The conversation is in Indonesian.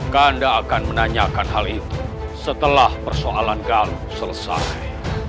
kanda akan menanyakan hal itu setelah persoalan galuh selesai